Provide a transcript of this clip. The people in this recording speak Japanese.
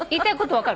分かる。